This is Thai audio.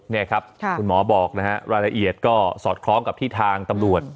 นี่ครับคุณหมอบอกนะฮะรายละเอียดก็สอดคล้องกับที่ทางตำรวจ